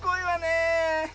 え